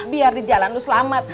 biar di jalan lu selamat